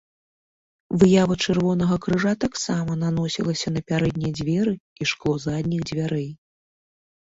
Выява чырвонага крыжа таксама наносілася на пярэднія дзверы і шкло задніх дзвярэй.